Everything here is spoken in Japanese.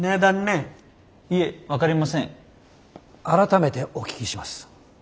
改めてお聞きします。